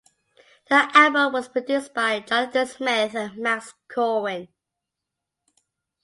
The album was produced by Jonathan Smith and Max Corwin.